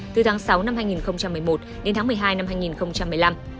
từ tháng sáu năm hai nghìn một mươi một đến tháng một mươi hai năm hai nghìn một mươi năm